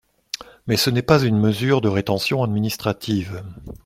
Mais ce n’est pas une mesure de rétention administrative.